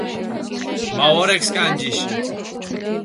მა ვორექ სკანი ჯიში